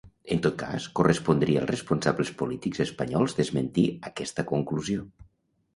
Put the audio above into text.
En tot cas, correspondria als responsables polítics espanyols desmentir aquesta conclusió